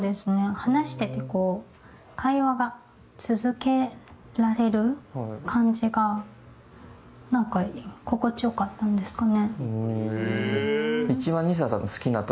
話してて会話が続けられる感じがなんか心地良かったんですかね。